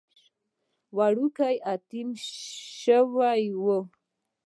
وړوکی يتيم شوی و.